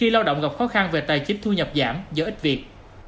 lao động gặp khó khăn về tài chính thu nhập giảm do ít việc